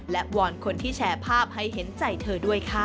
และวอนคนที่แชร์ภาพให้เห็นใจเธอด้วยค่ะ